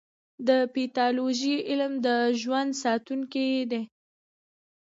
د پیتالوژي علم د ژوند ساتونکی دی.